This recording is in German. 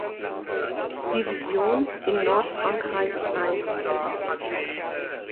Division in Nordfrankreich ein.